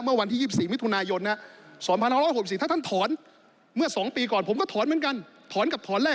เมื่อวันที่๒๔วิทูนายนนะ